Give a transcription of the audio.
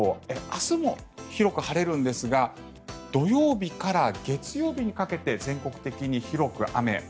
明日も広く晴れるんですが土曜日から月曜日にかけて全国的に広く雨。